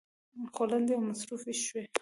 خو لنډې او مصروفې شوې.